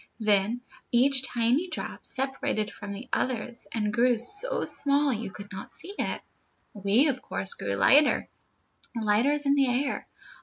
Then each tiny drop separated from the others, and grew so small you could not see it. "We, of course, grew lighter, lighter than the air.